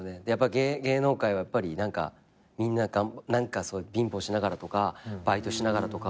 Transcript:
芸能界はやっぱりみんな何か貧乏しながらとかバイトしながらとか。